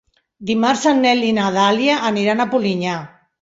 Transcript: Dimarts en Nel i na Dàlia aniran a Polinyà.